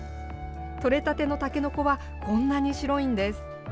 取れたてのたけのこはこんなに白いんです。